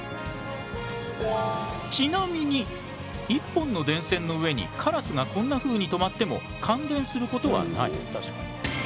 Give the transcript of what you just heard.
ちなみに一本の電線の上にカラスがこんなふうに留まっても感電することはない。